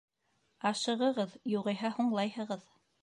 Ашығығыҙ, юғиһә һуңлайһығыҙ.